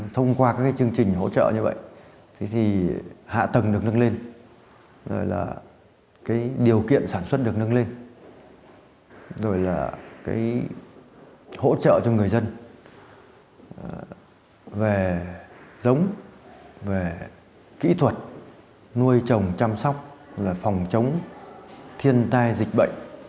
thông qua các cái chương trình hỗ trợ như vậy thì hạ tầng được nâng lên rồi là cái điều kiện sản xuất được nâng lên rồi là cái hỗ trợ cho người dân về giống về kỹ thuật nuôi chồng chăm sóc là phòng chống thiên tai dịch bệnh